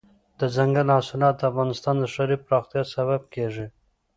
دځنګل حاصلات د افغانستان د ښاري پراختیا سبب کېږي.